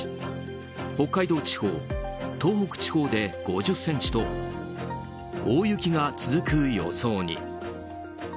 北海道地方東北地方で５０ｃｍと大雪が続く予想に。